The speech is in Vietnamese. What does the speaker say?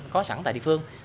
có sẵn tại địa phương